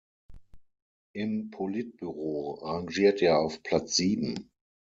Im Politbüro rangiert er auf Platz sieben.